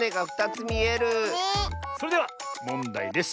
それではもんだいです。